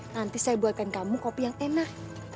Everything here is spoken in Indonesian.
nanti saya buatkan kamu kopi yang enak